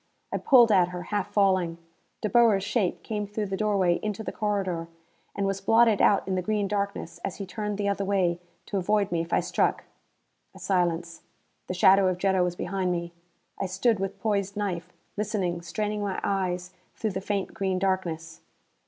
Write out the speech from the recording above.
I pulled at her, half falling. De Boer's shape came through the doorway into the corridor. And was blotted out in the green darkness as he turned the other way, to avoid me if I struck. A silence. The shadow of Jetta was behind me. I stood with poised knife, listening, straining my eyes through the faint green darkness.